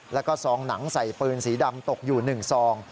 แล้วก็ซองหนังใส่ปืนสีดำตกอยู่๑ซอง